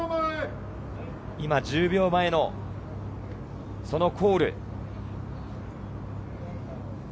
今、１０秒前のコール。